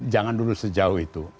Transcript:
jangan dulu sejauh itu